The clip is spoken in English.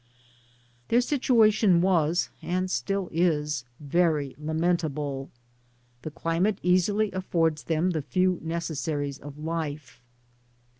Thdr situation was, and still is, very lamentable. The climate easily affi)rds them the few necessaries of life.